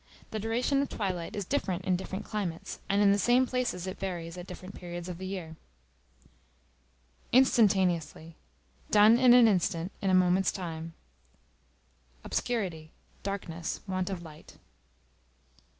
The duration of twilight is different in different climates; and in the same places it varies at different periods of the year. Instantaneously, done in an instant, in a moment's time. Obscurity, darkness, want of light.